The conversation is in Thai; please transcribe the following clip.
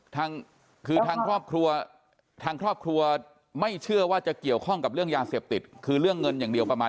ทางคือทางครอบครัวทางครอบครัวไม่เชื่อว่าจะเกี่ยวข้องกับเรื่องยาเสพติดคือเรื่องเงินอย่างเดียวประมาณ